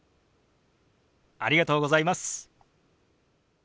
ありがとうございます。